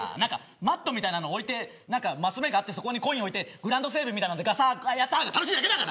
マットみたいなの置いて升目があってそこにコインを置いてグラウンド整備みたいなのでがさー、やったーが楽しいだけだから。